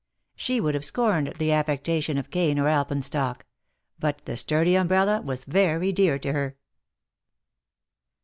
She would have scorned the affectation of cane or alpenstock : but the sturdy umbrella was very dear to her.